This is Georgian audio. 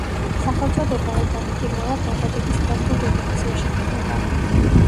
სახელწოდება ებანი პირველად „დაბადების“ ქართულ რედაქციაში გვხვდება.